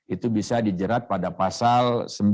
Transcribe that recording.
itu bisa dijerat pada pasal sembilan puluh